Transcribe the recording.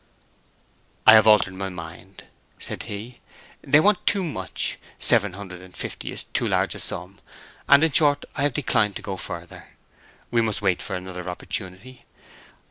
"I have altered my mind," said he. "They want too much—seven hundred and fifty is too large a sum—and in short, I have declined to go further. We must wait for another opportunity.